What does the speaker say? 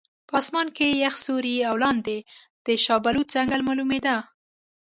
په اسمان کې یخ ستوري او لاندې د شاه بلوط ځنګل معلومېده.